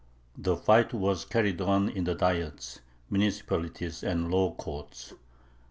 The fight was carried on in the Diets, municipalities, and law courts.